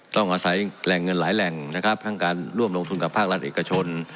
ต้องอาศัยแหล่งเงินหลายแหล่งนะครับทั้งการร่วมลงทุนกับภาครัฐเอกชน